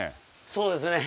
そうですね。